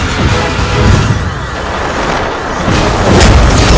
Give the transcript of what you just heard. di rumah dia